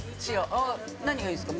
何がいいですか？